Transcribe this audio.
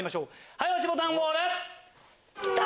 早押しボタンウォール。